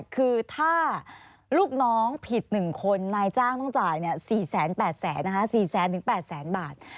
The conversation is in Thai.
คือถ้าลูกน้องผิด๑คนนายจ้างต้องจ่าย๔๘๐๐๐๐บาท